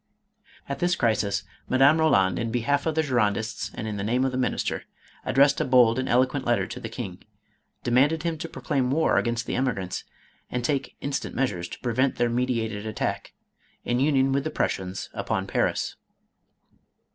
At this crisis, Madame Eoland, in behalf of the Girondists and in 504 MADAME ROLAND. the name of the minister, addressed a bold and elo quent letter to the king, demanded him to proclaim war against the emigrants, and take instant measures to prevent their meditated attack, in union with the Prussians, upon Paris.